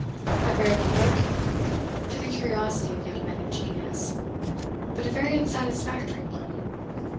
A very provoking book to the curiosity of young men of genius, but a very unsatisfactory one.